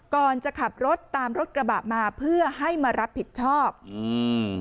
ก่อนจะขับรถตามรถกระบะมาเพื่อให้มารับผิดชอบอืม